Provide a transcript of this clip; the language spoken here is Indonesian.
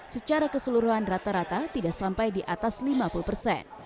secara keseluruhan rata rata tidak sampai di atas lima puluh persen